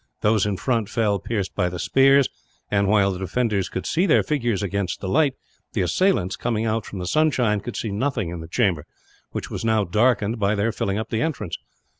Those in front fell pierced by the spears and, while the defenders could see their figures against the light, the assailants, coming out from the sunshine, could see nothing in the chamber, which was now darkened by their filling up the entrance.